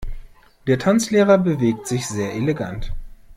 Der Tanzlehrer bewegt sich sehr elegant.